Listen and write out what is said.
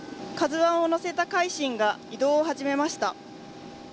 「ＫＡＺＵⅠ」を載せた「海進」が移動を始めました。